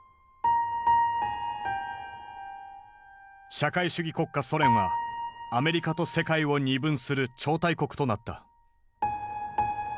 社会主義国家ソ連はアメリカと世界を二分する超大国となった。